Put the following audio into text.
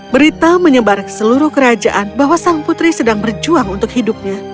berita menyebar ke seluruh kerajaan bahwa sang putri sedang berjuang untuk hidupnya